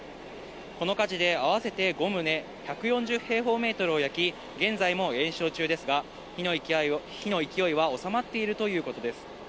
この火事で合わせて５棟、１４０平方メートルを焼き、現在も延焼中ですが、火の勢いは収まっているということです。